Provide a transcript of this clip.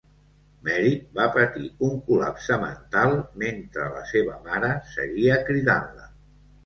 Mary va patir un col·lapse mental mentre la seva mare seguia cridant-la.